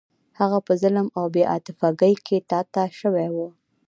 هغه په ظلم او بې عاطفګۍ کې تا ته شوی و.